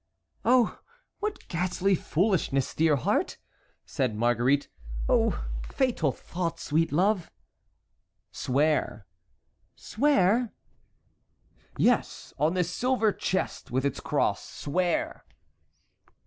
"Oh! what ghastly foolishness, dear heart!" said Marguerite. "Oh! fatal thought, sweet love." "Swear"— "Swear?" "Yes, on this silver chest with its cross. Swear."